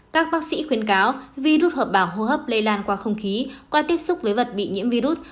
các bác sĩ khuyên cáo virus hợp bảo hô hấp lây lan qua không khí qua tiếp xúc với vật bị nhiễm virus